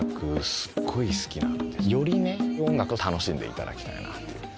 すっごい好きなのでより音楽を楽しんでいただきたいなと。